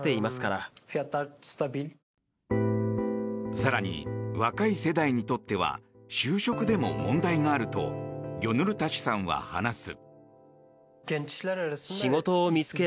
更に、若い世代にとっては就職でも問題があるとギョヌルタシュさんは話す。